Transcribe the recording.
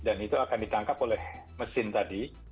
dan itu akan ditangkap oleh mesin tadi